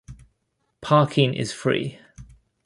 Parking is free.